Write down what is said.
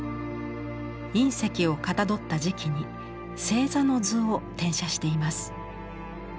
隕石をかたどった磁器に星座の図を転写しています。